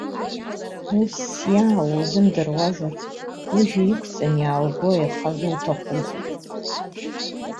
Усс иаауа узымдыруазар, ужәҩа иқәҵаны иаауго аиха зуҭахузеи?